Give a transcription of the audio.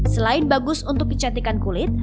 selain bagus untuk kecantikan kulit